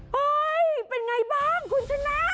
เฮ้ยเป็นไงบ้างคุณชนะ